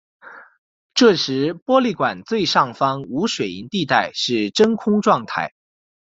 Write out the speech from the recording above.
这时玻璃管最上方无水银地带是真空状态。